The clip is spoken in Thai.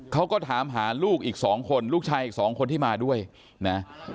เขาก็ถามหาลูกอีกสองคนลูกชายอีกสองคนที่มาด้วยนะ